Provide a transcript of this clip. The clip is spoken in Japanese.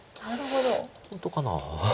本当かな。